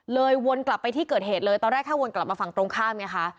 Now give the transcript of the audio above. วนกลับไปที่เกิดเหตุเลยตอนแรกแค่วนกลับมาฝั่งตรงข้ามไงคะ